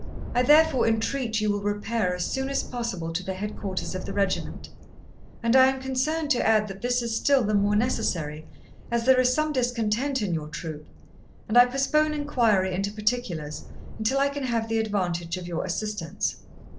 I therefore entreat you will repair as soon as possible to the headquarters of the regiment; and I am concerned to add that this is still the more necessary as there is some discontent in your troop, and I postpone inquiry into particulars until I can have the advantage of your assistance.'